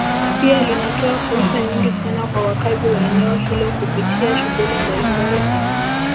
Pia linatoa fursa nyingi sana kwa wakazi wa eneo hilo kupitia shughuli mbalimbali